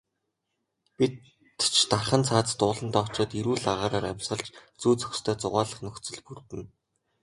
Бид ч дархан цаазат ууландаа очоод эрүүл агаараар амьсгалж, зүй зохистой зугаалах нөхцөл бүрдэнэ.